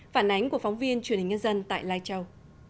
phản ánh của phóng viên truyền hình nhân dân tại lai châu